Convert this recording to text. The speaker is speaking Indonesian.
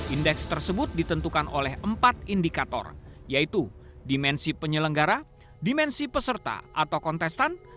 indeks tersebut ditentukan oleh empat indikator yaitu dimensi penyelenggara dimensi peserta atau kontestan